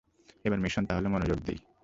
এবার মিশনে তাহলে মনোযোগ দেই।